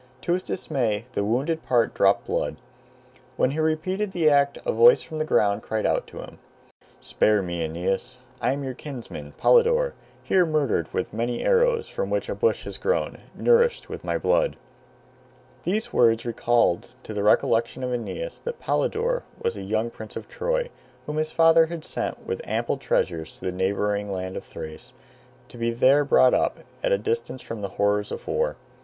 To his dismay the wounded part dropped blood. When he repeated the act a voice from the ground cried out to him, "Spare me, Aeneas; I am your kinsman, Polydore, here murdered with many arrows, from which a bush has grown, nourished with my blood." These words recalled to the recollection of Aeneas that Polydore was a young prince of Troy, whom his father had sent with ample treasures to the neighboring land of Thrace, to be there brought up, at a distance from the horrors of war.